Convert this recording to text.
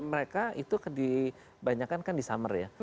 mereka itu dibanyakan kan di summer ya